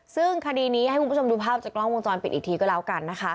ซึ่งคดีนี้กล้องวงจรปิดอีกทีก็แล้วกัน